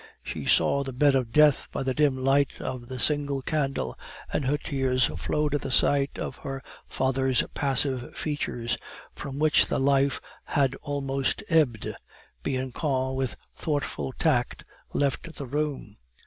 She saw the bed of death by the dim light of the single candle, and her tears flowed at the sight of her father's passive features, from which the life had almost ebbed. Bianchon with thoughtful tact left the room.